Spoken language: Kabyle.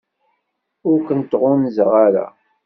Ur kent-ɣunzaɣ ara.